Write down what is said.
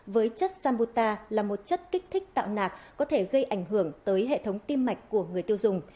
với chất samuta là một chất kích thích tạo nạc có thể gây ảnh hưởng tới hệ thống tim mạch của người tiêu dùng